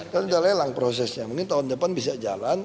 kan sudah lelang prosesnya mungkin tahun depan bisa jalan